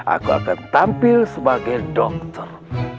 aku akan tampil sebagai dokter